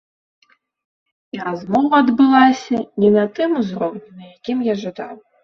І размова адбылася не на тым узроўні, на якім я жадаў.